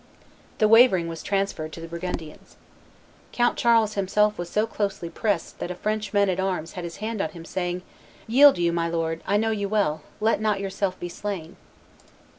The wavering was transferred to the Burgundians. Count Charles himself was so closely pressed that a French man at arms laid his hand on him, saying, "Yield you, my lord; I know you well; let not yourself be slain."